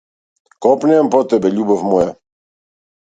Копнеам по тебе, љубов моја.